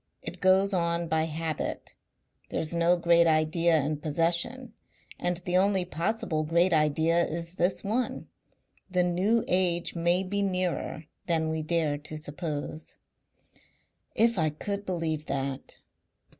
It goes on by habit. There's no great idea in possession and the only possible great idea is this one. The New Age may be nearer than we dare to suppose." "If I could believe that!"